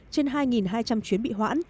trên hai hai trăm linh chuyến bị hoãn